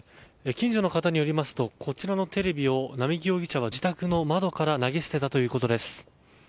近所の方によりますとこちらのテレビを、並木容疑者は自宅の窓から投げ捨てたということです。